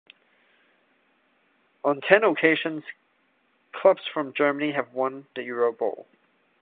On ten occasions clubs from Germany have won the Eurobowl.